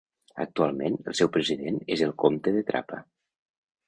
Actualment el seu president és el Comte de Trapa.